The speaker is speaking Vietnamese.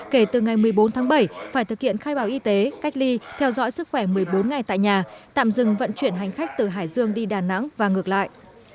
kể từ ngày một mươi bốn tháng bảy phải thực hiện khai báo y tế cách ly theo dõi sức khỏe một mươi bốn ngày tại nhà tạm dừng vận chuyển hành khách từ hải dương đi đà nẵng và ngược lại